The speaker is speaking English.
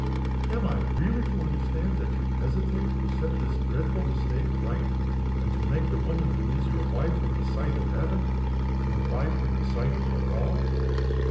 Am I really to understand that you hesitate to set this dreadful mistake right, and to make the woman who is your wife in the sight of Heaven your wife in the sight of the law?"